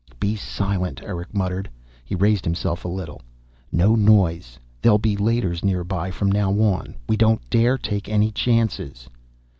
"Be silent," Erick muttered. He raised himself a little. "No noise. There'll be Leiters nearby, from now on. We don't dare take any chances."